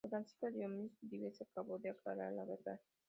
El Francisco Dionisio Vives acabó de aclarar la verdad.